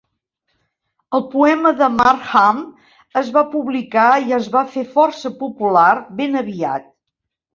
El poema de Markham es va publicar i es va fer força popular ben aviat.